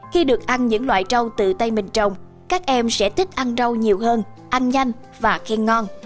khi được ăn những loại rau từ tây mình trồng các em sẽ thích ăn rau nhiều hơn ăn nhanh và khen ngon